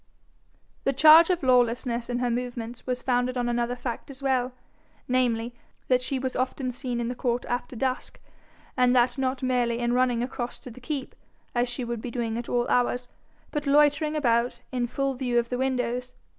The charge of lawlessness in her movements was founded on another fact as well, namely, that she was often seen in the court after dusk, and that not merely in running across to the keep, as she would be doing at all hours, but loitering about, in full view of the windows.